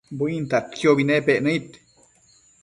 buintadquiobi nepac nëid